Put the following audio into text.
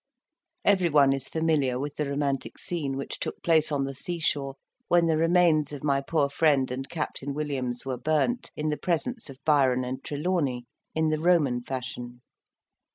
Every one is familiar with the romantic scene which took place on the sea shore when the remains of my poor friend and Captain Williams were burnt, in the presence of Byron and Trelawney, in the Roman fashion.